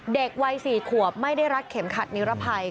เด็กวัย๔ขวบไม่ได้รัดเข็มขัดนิรภัย